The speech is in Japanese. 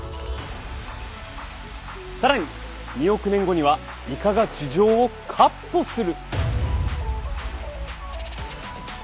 更に２億年後にはイカが地上を闊歩する！？